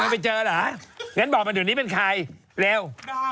ดังมากช่วงนี้แบบฮอตฮิตเลยคุณแม่สาว